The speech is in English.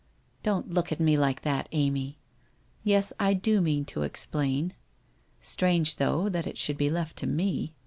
Don't look at me like that, Amy! Yes, I do mean to explain. Strange, though, that it should be left to me.